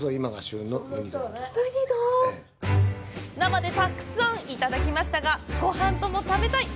生でたくさんいただきましたがごはんとも食べたい！